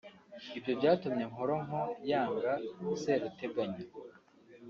Ibyo byatumye Nkoronko yanga Seruteganya